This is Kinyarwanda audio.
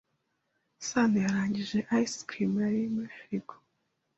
Sanoyarangije ice cream yari muri firigo.